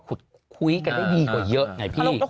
คุยขึ้นกันได้ดีกว่าเยอะแบบนี้